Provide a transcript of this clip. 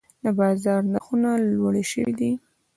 د بازار نرخونه لوړې شوي دي.